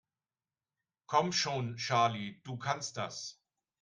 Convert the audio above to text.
Komm schon, Charlie, du kannst das!